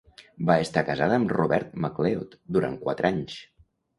Va estar casada amb Robert MacLeod durant quatre anys.